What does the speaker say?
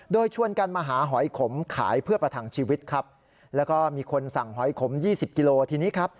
โดยชวนกันมาหาหอยขมขายเพื่อประทังชีวิตครับแล้วก็มีคนสั่งหอยขมยี่สิบกิโลทีนี้ครับ